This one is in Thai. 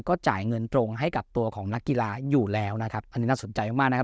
ก็จ่ายเงินตรงให้กับตัวของนักกีฬาอยู่แล้วนะครับอันนี้น่าสนใจมากมากนะครับ